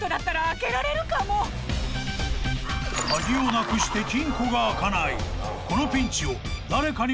［鍵をなくして金庫が開かない］